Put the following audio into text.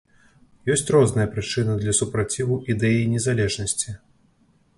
Ёсць розныя прычыны для супраціву ідэі незалежнасці.